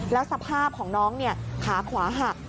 แล้วสภาพของน้องขาขวาหัก